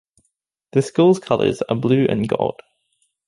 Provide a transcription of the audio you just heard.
The school's colours are Blue and Gold.